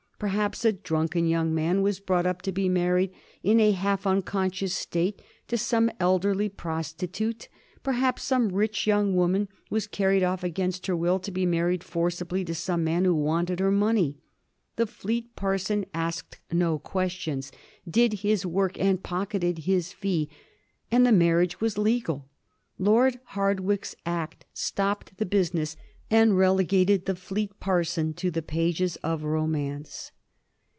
Perhaps a drunken young lad was brought up to be married in a half unconscious state to some elderly prostitute, perhaps some rich young woman was carried off against her will to be married forcibly to some man who wanted her money. The Fleet parson asked no questions, did his work, and pocketed his fee — ^and the marriage was legal. Lord Hardwicke's Act stopped the business and relegated the Fleet parson to the pages of romance.